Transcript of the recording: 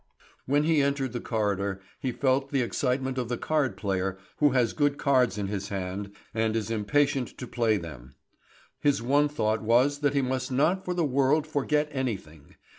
When he entered the corridor he felt the excitement of the card player who has good cards in his hand, and is impatient to play them. His one thought was that he must not for the world forget anything.